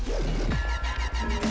jadi lo udah gak sama rina